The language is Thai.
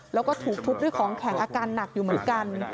แล้วก็ถูกทุบด้วยของแข็งอาการหนักอยู่เหมือนกัน